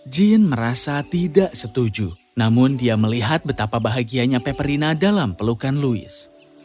jin merasa tidak setuju namun dia melihat betapa bahagianya peperina dalam pelukan louis